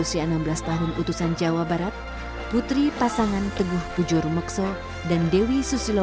setiap langkah mereka adalah perjuangan penuh keringat dan air mata